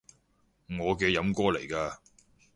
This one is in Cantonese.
我嘅飲歌嚟啊